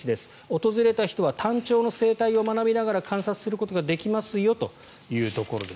訪れた人はタンチョウの生態を観察することができますよというところです。